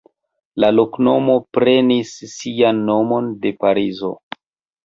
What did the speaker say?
La loknomo prenis sian nomon de Parizo.